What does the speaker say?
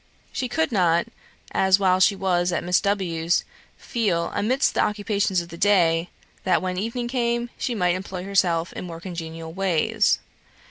She could not (as while she was at Miss W 's) feel, amidst the occupations of the day, that when evening came, she might employ herself in more congenial ways.